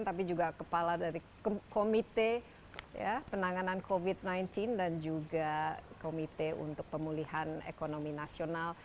tapi juga kepala dari komite penanganan covid sembilan belas dan juga komite untuk pemulihan ekonomi nasional